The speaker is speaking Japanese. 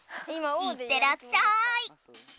いってらっしゃい！